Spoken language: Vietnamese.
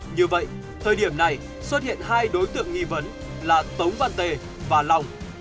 như vậy thời điểm này xuất hiện hai đối tượng nghi vấn là tống văn tê và long